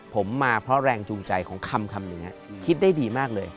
ผมมาเพราะแรงจูงใจของคำอย่างนี้คิดได้ดีมากเลย